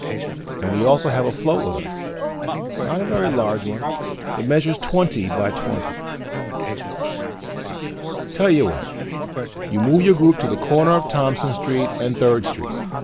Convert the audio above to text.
And we also have a float with us. Not a very large one. It measures twenty by twenty." "Tell you what. You move your group to the corner of Thompson Street and Third Street.